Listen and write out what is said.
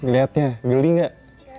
lihatnya geli nggak